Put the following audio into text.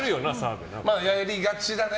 やりがちだね。